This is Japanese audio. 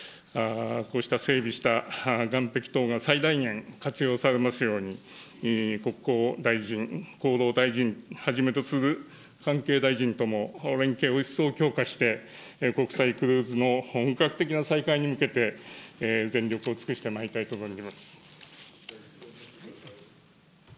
こうした整備した岸壁等が最大限活用されますように、国交大臣、厚労大臣はじめとする関係大臣とも連携を一層強化して、国際クルーズの本格的な再開に向けて、全力を尽くしてまいりたいと存じます。